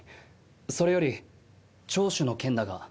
それより聴取の件だが。